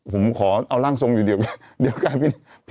ผมขอเอาร่างทรงอยู่เดียวกัน